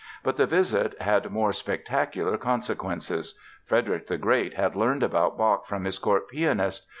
But the visit had more spectacular consequences. Frederick the Great had learned about Bach from his court pianist.